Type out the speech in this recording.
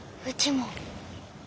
うちも。